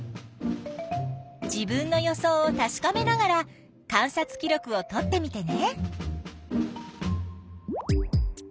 自分の予想をたしかめながら観察記録をとってみてね！